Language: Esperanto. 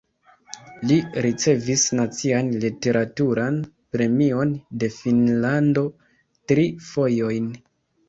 Li ricevis nacian literaturan premion de Finnlando tri fojojn.